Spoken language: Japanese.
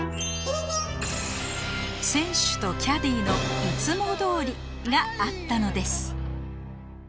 選手とキャディーのいつもどおりがあったのです。